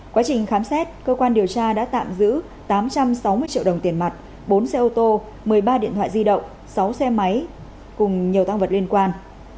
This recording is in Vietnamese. quá trình khám xét cơ quan điều tra đã tạm giữ tám trăm sáu mươi triệu đồng tiền mặt bốn xe ô tô một mươi ba điện thoại di động sáu xe máy cùng nhiều tăng vật liên quan